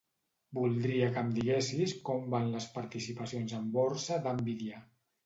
Voldria que em diguessis com van les participacions en borsa de Nvidia.